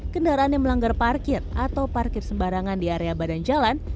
kendaraan yang melanggar parkir atau parkir sembarangan di area badan jalan